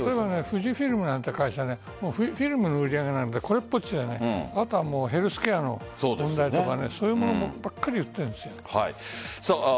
富士フイルムなんて会社はフィルムの売り上げがこれっぽっちであとはヘルスケアの問題とかそういうものばかり売ってるんですよ。